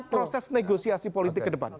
dan mengulas negosiasi politik ke depan